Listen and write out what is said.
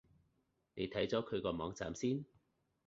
你睇咗佢個網站先